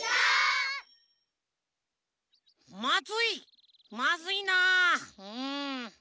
まずいまずいなあうん。